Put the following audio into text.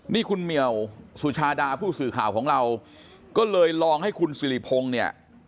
นี่คุณเหมียวสุชาดาผู้สื่อข่าวของเราก็เลยลองให้คุณสิริพงศ์เนี่ย